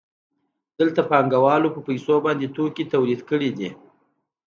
دلته پانګوال په پیسو باندې توکي تولید کړي دي